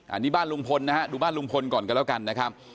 อันนี้บ้านลุงพลนะฮะดูบ้านลุงพลก่อนกันแล้วกันนะครับ